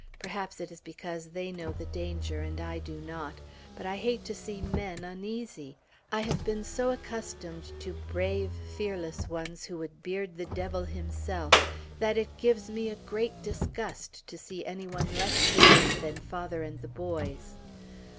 Perhaps it is because they know the danger, and I do not. But I hate to see men uneasy! I have been so accustomed to brave, fearless ones, who would beard the Devil himself, that it gives me a great disgust to see any one less daring than father and the boys.